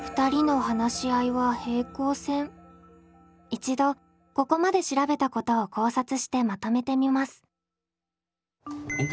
一度ここまで調べたことを考察してまとめてみます。